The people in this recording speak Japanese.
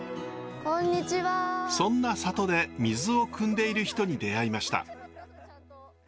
そんな里で水をくんでいる人に出会いました。